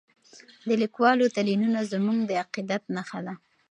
د لیکوالو تلینونه زموږ د عقیدت نښه ده.